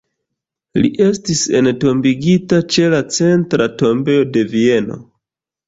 Li estis entombigita ĉe la Centra Tombejo de Vieno.